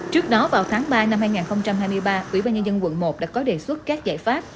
trước đó vào tháng ba năm hai nghìn hai mươi ba ủy ban nhân dân quận một đã có đề xuất các giải pháp